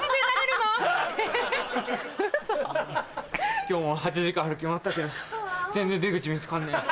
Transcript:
今日も８時間歩き回ったけど全然出口見つかんねえ。